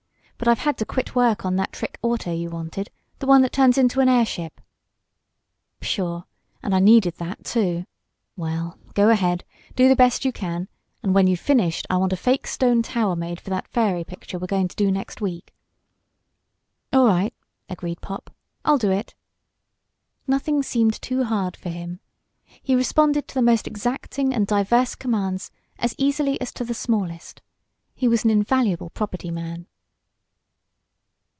"But I've had to quit work on that trick auto you wanted the one that turns into an airship." "Pshaw! And I needed that, too. Well, go ahead. Do the best you can, and when you've finished I want a fake stone tower made for that fairy picture we're going to do next week." "All right," agreed Pop. "I'll do it." Nothing seemed too hard for him. He responded to the most exacting and diverse commands as easily as to the smallest. He was an invaluable property man.